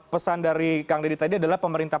pesan dari kang deddy tadi adalah pemerintah